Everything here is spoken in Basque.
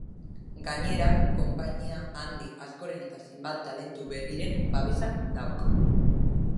Gainera, konpainia handi askoren eta zenbait talentu berriren babesa dauka.